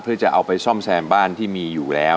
เพื่อจะเอาไปซ่อมแซมบ้านที่มีอยู่แล้ว